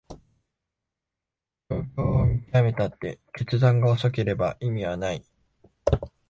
状況を見極めたって決断が遅ければ意味はない